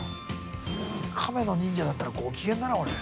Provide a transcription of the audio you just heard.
亀の忍者だったらご機嫌だなこれ。